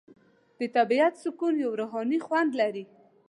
د طبیعت سکون یو روحاني خوند لري.